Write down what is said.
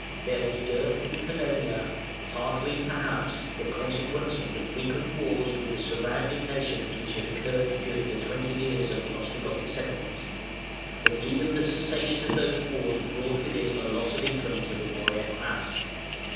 There was dearth in Pannonia, partly, perhaps, the consequence of the frequent wars with the surrounding nations which had occurred during the twenty years of the Ostrogothic settlement. But even the cessation of those wars brought with it a loss of income to the warrior class.